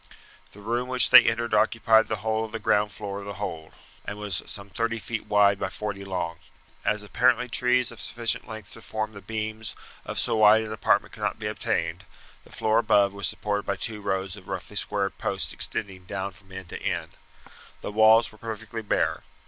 The room which they entered occupied the whole of the ground floor of the hold, and was some thirty feet wide by forty long. As apparently trees of sufficient length to form the beams of so wide an apartment could not be obtained, the floor above was supported by two rows of roughly squared posts extending down from end to end. The walls were perfectly bare.